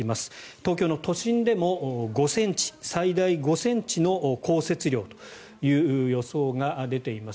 東京の都心でも最大５ｃｍの降雪量という予想が出ています。